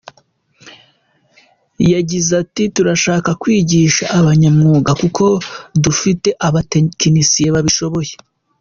Yagize ati "Turashaka kwigisha abanyamwuga kuko dufite abatekinisiye babishoboye.